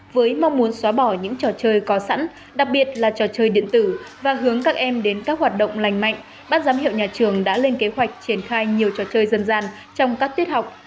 với mong muốn xóa bỏ những trò chơi có sẵn đặc biệt là trò chơi điện tử và hướng các em đến các hoạt động lành mạnh bác giám hiệu nhà trường đã lên kế hoạch triển khai nhiều trò chơi dân gian trong các tiết học